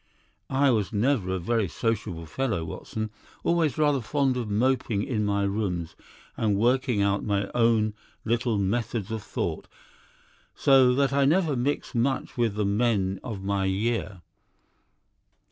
I was never a very sociable fellow, Watson, always rather fond of moping in my rooms and working out my own little methods of thought, so that I never mixed much with the men of my year.